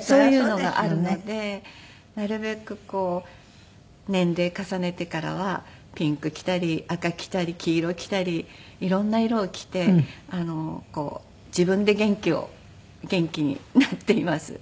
そういうのがあるのでなるべくこう年齢重ねてからはピンク着たり赤着たり黄色着たり色んな色を着て自分で元気を元気になっています。